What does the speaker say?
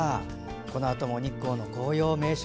このあとも日光の紅葉の名所